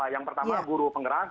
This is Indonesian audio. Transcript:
yang pertama guru penggerak